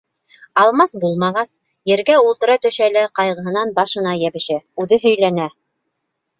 Алмас булмағас, ергә ултыра төшә лә ҡайғыһынан башына йәбешә, үҙе һөйләнә: